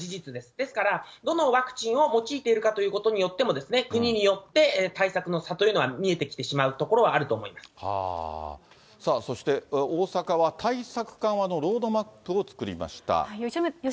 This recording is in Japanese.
ですから、どのワクチンを用いているかということによっても、国によって対策の差というのは見えてきてしまうというところはあさあそして、大阪は対策課のロードマップを作りました。